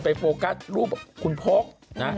ไปโฟกัสรูปคุณโภคนะ